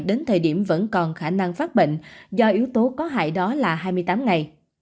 đến thời điểm vẫn còn khả năng phát bệnh do yếu tố có hại đó là hai mươi tám ngày